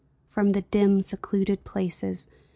From the dim secluded places.